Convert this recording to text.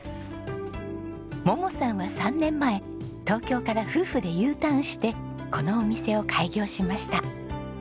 桃さんは３年前東京から夫婦でＵターンしてこのお店を開業しました。